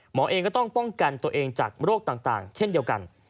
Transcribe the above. เองก็ต้องป้องกันตัวเองจากโรคต่างเช่นเดียวกัน